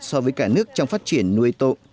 so với cả nước trong phát triển nuôi tôm